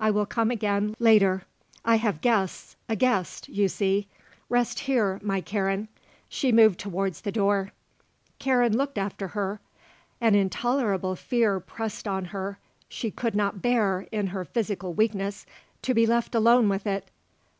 I will come again, later I have guests, a guest, you see. Rest here, my Karen." She moved towards the door. Karen looked after her. An intolerable fear pressed on her. She could not bear, in her physical weakness, to be left alone with it.